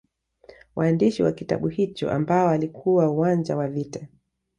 Waandishi wa kitabu hicho ambao walikuwa uwanja wa vita